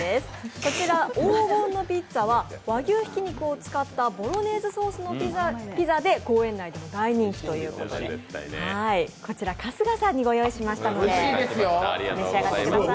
こちら黄金のピッツァは和牛ひき肉を使ったボロネーゼソースのピザで公園内でも大人気ということで、こちら春日さんにご用意したので、召し上がってください。